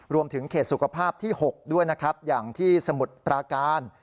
รวมถึงเขตสุขภาพที่๖ด้วยนะครับอย่างที่สมุทรปราการ